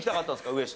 上下。